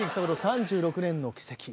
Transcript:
３６年の軌跡。